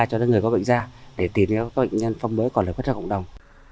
cho đến người có bệnh gia để tìm những bệnh nhân phong mới còn được phát ra cộng đồng